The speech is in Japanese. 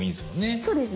そうですね。